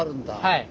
はい。